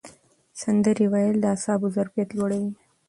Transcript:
سندرې ویل د اعصابو ظرفیت لوړوي.